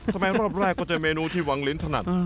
รอบแรกก็จะเมนูที่วังลิ้นถนัด